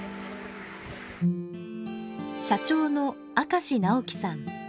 社長の明石直己さん。